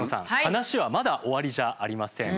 話はまだ終わりじゃありません。